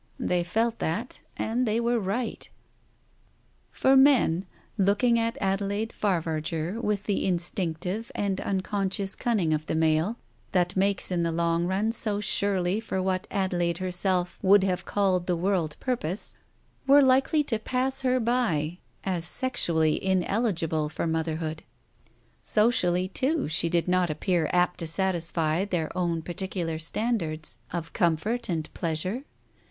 They felt that, and they were right. For men, looking at Adelaide Favarger with the in stinctive and unconscious cunning of the male, that makes in the long run so surely for what Adelaide her self would have called the World Purpose, were likely to pass her by, as sexually ineligible for motherhood. Digitized by Google THE TIGER SKIN 237 Socially, too, she did not appear apt to satisfy their own particular standards of comfort and pleasure.